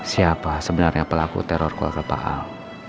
siapa sebenarnya pelaku teror keluarga pak al